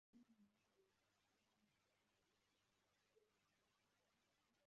Umuhungu muto aricara azunguruka ku kibuga